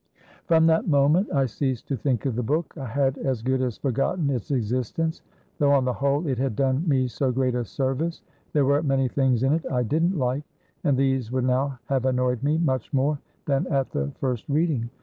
"From that moment, I ceased to think of the book. I had as good as forgotten its existence. Though, on the whole, it had done me so great a service, there were many things in it I didn't like, and these would now have annoyed me much more than at the first reading.